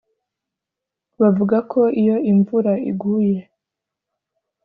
Bavuga ko iyo imvura iguye